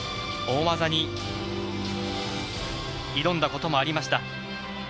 大技に挑んだこともありました。